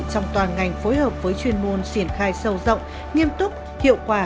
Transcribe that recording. trong toàn ngành phối hợp với chuyên môn siển khai sâu rộng nghiêm túc hiệu quả